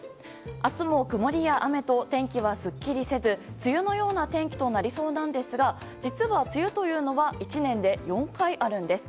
明日も曇りや雨と天気はすっきりせず梅雨のような天気となりそうなんですが実は梅雨というのは１年で４回あるんです。